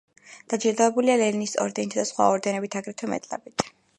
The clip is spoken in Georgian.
დაჯილდოებულია ლენინის ორდენითა და სხვა ორდენებით, აგრეთვე მედლებით.